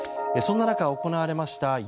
そんな中、行われました